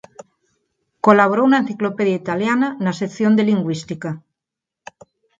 Colaborou na "Enciclopedia Italiana" na sección de lingüística.